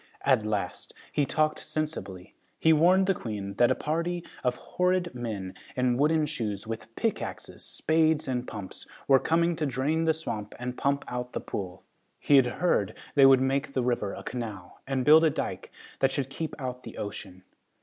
At last, he talked sensibly. He warned the Queen that a party of horrid men, in wooden shoes, with pickaxes, spades and pumps, were coming to drain the swamp and pump out the pool. He had heard that they would make the river a canal and build a dyke that should keep out the ocean.